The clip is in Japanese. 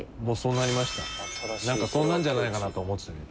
なんかそうなんじゃないかなと思ってたけど。